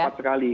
itu tepat sekali